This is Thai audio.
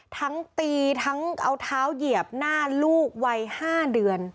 ทั้งตีทั้งเอาเท้าเหยียบหน้าลูกวัย๕เดือน